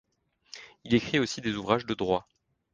Il écrit aussi des ouvrages de droit.